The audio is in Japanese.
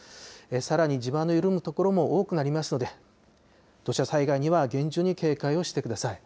さらに、地盤の緩む所も多くなりますので、土砂災害には厳重に警戒をしてください。